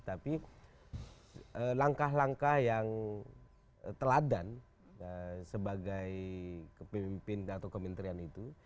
tapi langkah langkah yang teladan sebagai kepemimpin atau kementerian itu